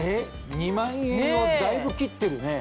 ２万円をだいぶ切ってるね。